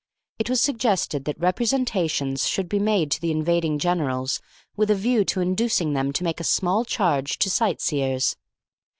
It was suggested that representations should be made to the invading generals with a view to inducing them to make a small charge to sightseers.